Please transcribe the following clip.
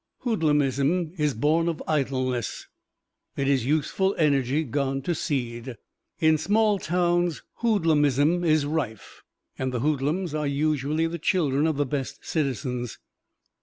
Hoodlumism is born of idleness; it is useful energy gone to seed. In small towns hoodlumism is rife, and the hoodlums are usually the children of the best citizens.